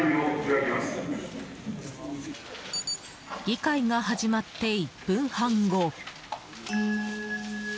議会が始まって１分半後。